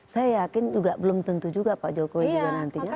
saya yakin juga belum tentu juga pak jokowi juga nantinya